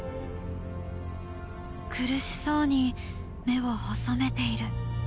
苦しそうに目を細めている。